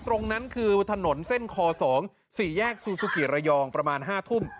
ตรงนั้นคือถนนเส้นคอ๒๔แยกซูซูกิระยองประมาณ๕ทุ่ม